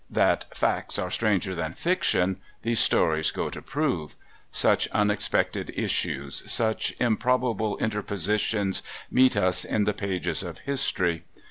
That "facts are stranger than fiction" these stories go to prove: such unexpected issues, such improbable interpositions meet us in the pages of history.